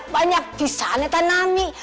banyak pisahnya tanami